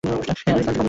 Iris লালচে-কমলা।